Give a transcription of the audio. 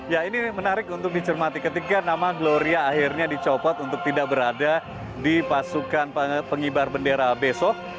ya ini menarik untuk dicermati ketika nama gloria akhirnya dicopot untuk tidak berada di pasukan pengibar bendera besok